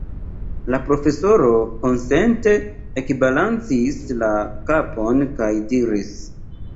La profesoro konsente ekbalancis la kapon kaj diris: